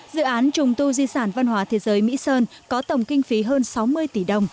dự án trùng tu di sản văn hóa thế giới mỹ sơn có tổng kinh phí hơn sáu mươi tỷ đồng